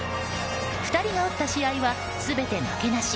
２人が打った試合は全て負けなし。